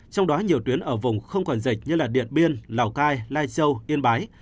trong đó nhiều tuyến ở vùng không còn dịch như điện biên lào cai lai châu yên bái